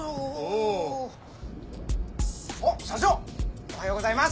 おっ社長おはようございます。